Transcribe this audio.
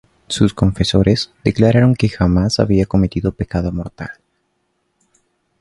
Sus confesores declararon que jamás había cometido pecado mortal.